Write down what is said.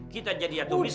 kita jadi atuh miskin